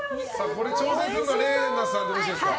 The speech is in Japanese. これ、挑戦するのはＲＥＩＮＡさんでよろしいですか。